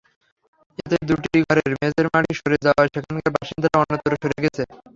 এতে দুটি ঘরের মেঝের মাটি সরে যাওয়ায় সেখানকার বাসিন্দারা অন্যত্র সরে গেছে।